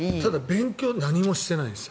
勉強何もしてないんです。